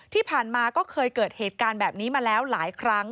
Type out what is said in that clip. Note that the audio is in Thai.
ที่ผ่านมาก็เคยเกิดเหตุการณ์แบบนี้มาแล้วหลายครั้ง